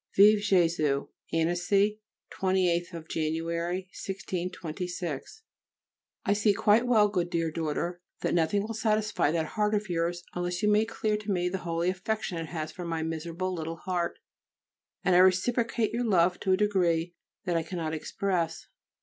_ Vive [+] Jésus! ANNECY, 28th Jan., 1626. I see quite well, good dear daughter, that nothing will satisfy that heart of yours unless you make clear to me the holy affection it has for my miserable little heart, and I reciprocate your love to a degree that I cannot express.